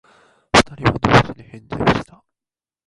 二人は同時に返事をした。